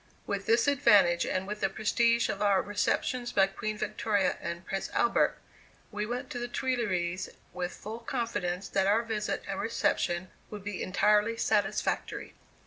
With this advantage, and with the prestige of our receptions by Queen Victoria and Prince Albert, we went to the Tuileries with full confidence that our visit and reception would be entirely satisfactory.